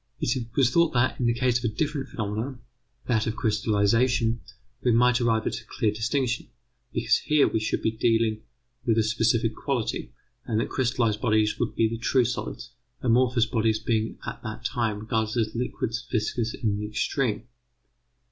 It was thought that in the case of a different phenomenon that of crystallization we might arrive at a clear distinction, because here we should he dealing with a specific quality; and that crystallized bodies would be the true solids, amorphous bodies being at that time regarded as liquids viscous in the extreme.